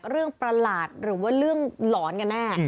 เราเรียงประหลาดหรือว่าเรื่องหลอนกันแน่